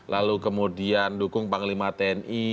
lalu kemudian dukung panglima tni